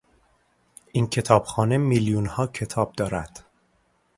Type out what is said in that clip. این کتابخانه میلیونها کتاب دارد.